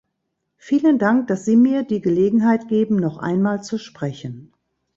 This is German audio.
Vielen Dank, dass Sie mir die Gelegenheit geben, noch einmal zu sprechen.